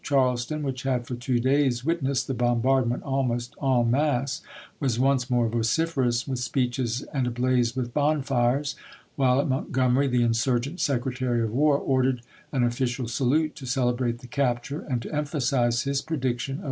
Charleston, which had for two days wit nessed the bombardment almost en masse, was once more vociferous with speeches and ablaze with bon fires ; while at Montgomery the insurgent Secretary of War ordered an official salute to celebrate the capture, and to emphasize his prediction of the